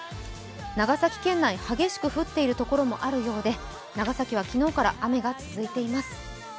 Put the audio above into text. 長崎県内激しく降っているところもあるようで、長崎は昨日から雨が続いています。